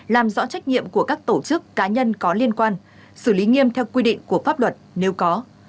làm rõ trách nhiệm của các tổ chức cá nhân có liên quan xử lý nghiêm theo quy định của pháp luật nếu có